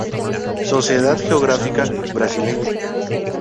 Sociedad Geográfica Brasileña.